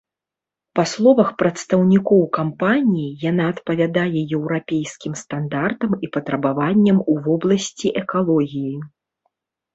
Па словах прадстаўнікоў кампаніі, яна адпавядае еўрапейскім стандартам і патрабаванням у вобласці экалогіі.